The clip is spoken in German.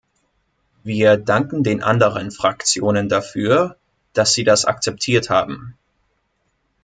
Wir danken den anderen Fraktionen dafür, dass sie das akzeptiert haben.